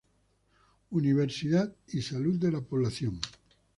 Universidad y Salud de la Población.